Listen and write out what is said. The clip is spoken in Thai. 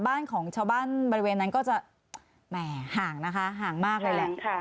บ้านของชาวบ้านบริเวณนั้นก็จะแหม่ห่างนะคะห่างมากเลยแหละ